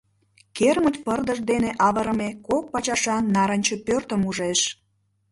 Кермыч пырдыж дене авырыме кок пачашан нарынче пӧртым ужеш.